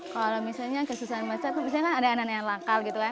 kalau misalnya ada anak anak yang lakal gitu kan